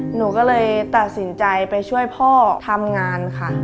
หนูก็เลยตัดสินใจไปช่วยพ่อทำงานค่ะ